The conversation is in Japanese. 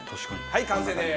はい完成です！